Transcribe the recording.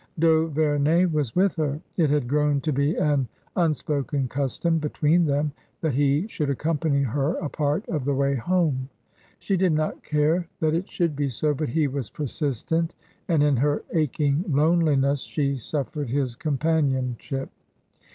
D'Auvemey was with her. It had grown to be an un spoken custom between them that he should accompany her a part of the way home. She did not care that it should be so, but he was persistent, and in her aching loneliness she suffered his companionship.